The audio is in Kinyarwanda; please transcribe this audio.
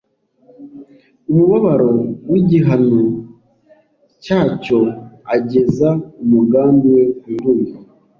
umubabaro w’igihano cyacyo, ageza umugambi we ku ndunduro,